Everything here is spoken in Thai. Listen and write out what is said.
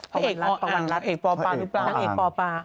พระเอกปอวันรัฐพระเอกปอปลานางเอกปอปลา